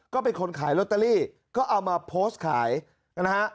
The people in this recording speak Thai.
ก็เป็นคนขายลอตเตอรี่ก็เอามาโพสต์ขายนะฮะ